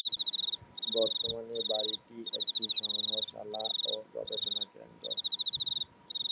বর্তমানে বাড়িটি একটি সংগ্রহশালা ও গবেষণা কেন্দ্র।